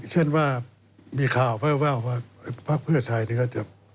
เช่นว่ามีข่าวแววว่าพักเพื่อไทยก็จะ